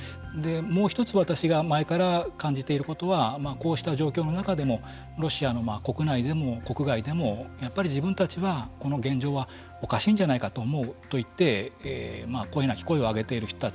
もう一つ私が前から感じていることはこうした状況の中でもロシアの国内でも国外でもやっぱり自分たちはこの現状はおかしいんじゃないかと思うと言って声なき声を上げている人たち。